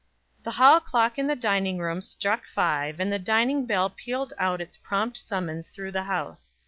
The tall clock in the dining room struck five, and the dining bell pealed out its prompt summons through the house.